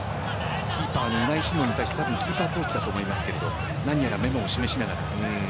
キーパーウナイシモンに対してキーパーコーチだと思いますが何やらメモを示しながら。